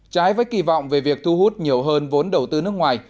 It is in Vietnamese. trái với kỳ vọng về việc thu hút nhiều hơn vốn đầu tư nước ngoài